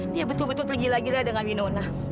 dia betul betul tergila gila dengan winona